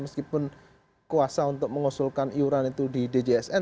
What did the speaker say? meskipun kuasa untuk mengusulkan iuran itu di djsn